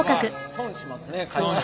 損します。